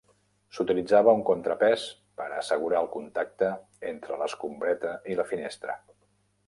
S'utilitzava un contrapès per a assegurar el contacte entre l'escombreta i la finestra.